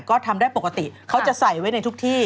ก็ทำได้ปกติเขาจะใส่ไว้ในทุกที่